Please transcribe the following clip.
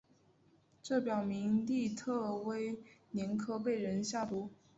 这表明利特维年科被人下毒。